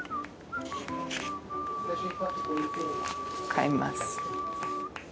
買います。